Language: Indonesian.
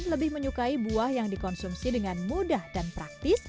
lebih menyukai buah yang dikonsumsi dengan mudah dan praktis